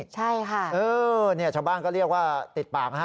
ชาวบ้านก็เรียกว่าติดปาก